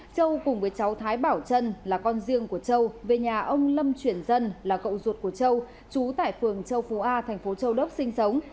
châu cùng với cháu thái bảo trân là con riêng của châu về nhà ông lâm chuyển dân là cậu ruột của châu chú tại phường châu phú a thành phố châu đốc sinh sống